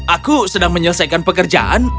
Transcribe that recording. aku sedang menyelesaikan pekerjaan